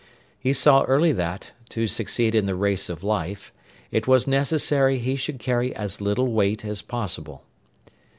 He saw early that, to succeed in the race of life, it was necessary he should carry as little weight as possible.